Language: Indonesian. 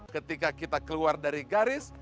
ketika kita keluar dari garis